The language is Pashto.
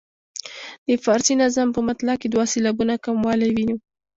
د فارسي نظم په مطلع کې دوه سېلابونه کموالی وینو.